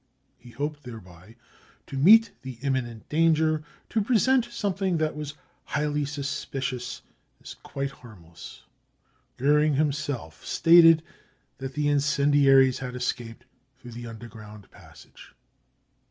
He hoped thereby to meet the imminent danger, to present something that was highly suspicious as quite harmless. Goering himself stated that the incendiaries had escaped through the under ground passage.